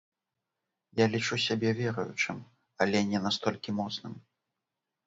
Я лічу сябе веруючым, але не настолькі моцным.